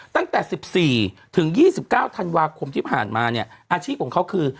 ตั้งแต่๑๔ถึง๒๙ธันวาคมที่ผ่านมาเนี่ยอาชีพของเขาคือ